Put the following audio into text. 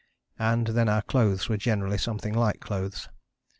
And then our clothes were generally something like clothes.